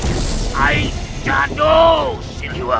aku sudah jatuh siliwangi